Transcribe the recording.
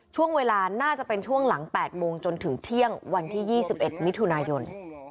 ช่วงเวลาน่าจะเป็นช่วงหลัง๘โมงจนถึงเที่ยงวันที่๒๑มิถุนายน